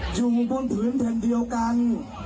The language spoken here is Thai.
อยู่บนพื้นเพียงเดียวกัน